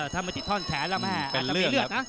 ถ้ามาที่ท่อนแขนแล้วแม่อาจจะมีเลือดนะ